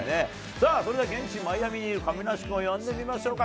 さあ、それでは現地、マイアミにいる亀梨君を呼んでみましょうか。